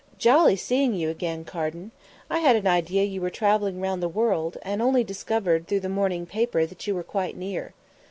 "Jolly seeing you again, Carden. I had an idea you were travelling round the world, and only discovered through the morning paper that you were quite near.